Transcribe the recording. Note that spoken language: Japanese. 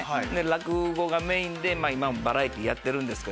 落語がメインで今バラエティーやってるんですけど。